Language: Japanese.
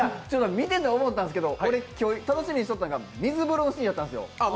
見てて思ったんですけど、俺、今日楽しみにしとったんが水風呂のシーンやったんですよ。